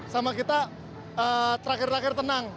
sama kita terakhir terakhir tenang